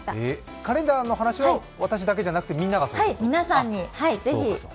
カレンダーの話は私だけじゃなくて、みんながと。